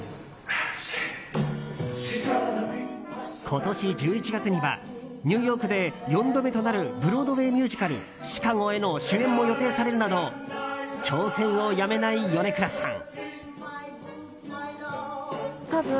今年１１月にはニューヨークで４度目となるブロードウェイミュージカル「シカゴ」への主演も予定されるなど挑戦をやめない米倉さん。